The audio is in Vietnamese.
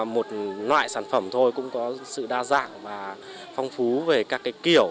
một loại sản phẩm thôi cũng có sự đa dạng và phong phú về các cái kiểu